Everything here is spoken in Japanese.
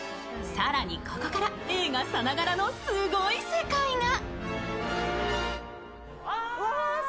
更に、ここから映画さながらのすごい世界が。